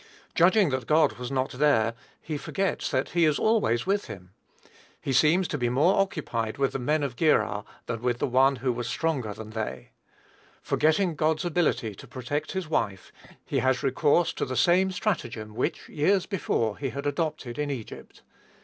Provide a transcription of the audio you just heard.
Judging that God was not there, he forgets that he is always with him. He seems to be more occupied with the men of Gerar than with the One who was stronger than they. Forgetting God's ability to protect his wife, he has recourse to the same stratagem which, years before, he had adopted in Egypt.